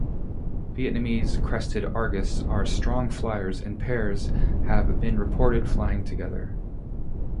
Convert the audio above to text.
Vietnamese crested argus are strong fliers and pairs have been reported flying together.